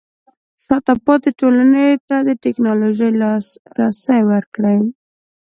شاته پاتې ټولنې ته د ټیکنالوژۍ لاسرسی ورکړئ.